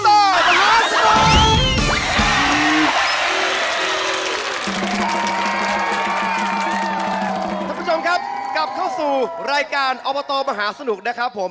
สวัสดีทุกคนครับกลับเข้าสู่รายการออมตอมาหาสนุกนะครับ